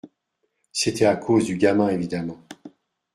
C’était à cause du gamin, évidemment.